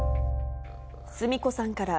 スミ子さんから、